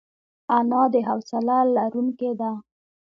انا د حوصله لرونکې ده